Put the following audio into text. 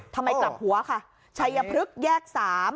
ทำไมกลับหัวค่ะชัยพลึกแยกสาม